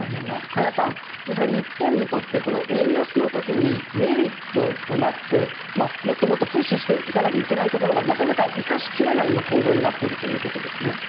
加谷さん、ですから日本にとって、この円安のときにメリットとなって、もっともっとプッシュしていかなきゃいけないところがなかなか生かしきれない、今、構造になっているということですね。